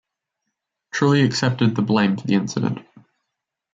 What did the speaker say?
Trulli accepted the blame for the incident.